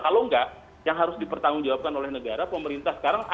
kalau enggak yang harus dipertanggungjawabkan oleh negara pemerintah sekarang